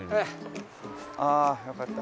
ああよかった。